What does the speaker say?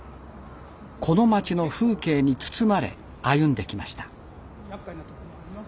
この町の風景に包まれ歩んできました。